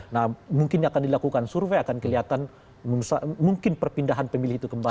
nah mungkin akan dilakukan survei akan kelihatan mungkin perpindahan pemilih itu kembali